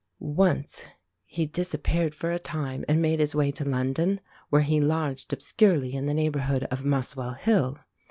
Once he disappeared for a time, and made his way to London, where he lodged obscurely in the neighbourhood of Muswell Hill.